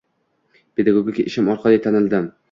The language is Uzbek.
Pedagogik ishim orqali tanildim